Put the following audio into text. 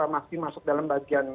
masih masuk dalam bagian